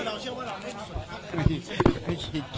มันเป็นแบบที่สุดท้ายแต่มันเป็นแบบที่สุดท้ายแต่มันเป็นแบบที่สุดท้าย